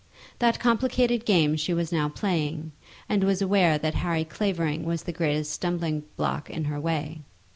That complicated game she was now playing, and was aware that Harry Clavering was the great stumbling block in her way.